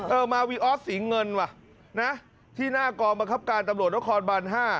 เออมาวีออสสีเงินว่ะนะที่หน้ากองบังคับการตำรวจนครบาน๕